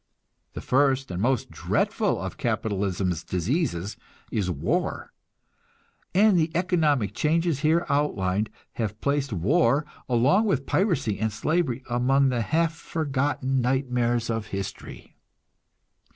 The first and most dreadful of capitalism's diseases is war, and the economic changes here outlined have placed war, along with piracy and slavery, among the half forgotten nightmares of history.